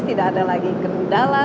tidak ada lagi kendala